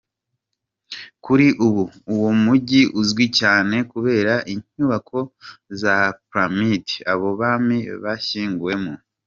Kuri ubu uwo mujyi uzwi cyane kubera inyubako za ‘Pyramids’, abo bami bashyinguwemo.